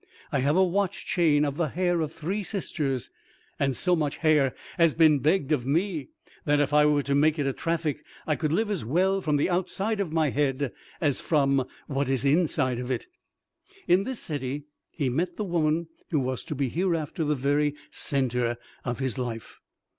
I have a watch chain of the hair of three sisters; and so much hair has been begged of me, that if I were to make it a traffic, I could live as well from the outside of my head as from what is inside of it." In this city he met the woman who was to be hereafter the very centre of his life.